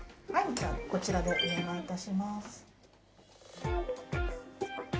じゃあこちらでお願い致します。